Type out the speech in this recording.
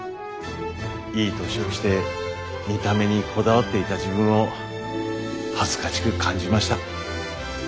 いい年をして見た目にこだわっていた自分を恥ずかしく感じました。